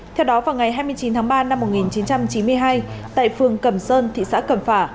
theo đó vào ngày hai mươi chín tháng ba năm một nghìn chín trăm chín mươi hai tại phường cẩm sơn thị xã cẩm phả